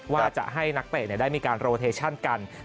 ว่าจะให้นักเตะได้มีการโรเทชั่นกัน